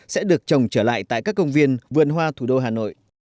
sẽ được trồng trở lại tại các công viên vườn hoa thủ đô hà nội